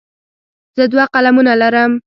زه دوه قلمونه لرم.